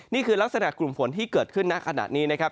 นี่คือลักษณะกลุ่มฝนที่เกิดขึ้นณขณะนี้นะครับ